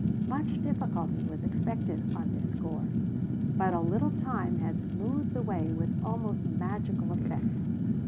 Much difficulty was expected on this score, but a little time had smoothed the way with almost magical effect.